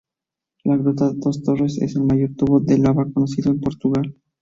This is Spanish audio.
La Gruta das Torres es el mayor tubo de lava conocido en Portugal.